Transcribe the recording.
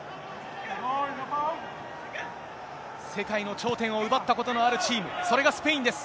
世界の頂点を奪ったことのあるチーム、それがスペインです。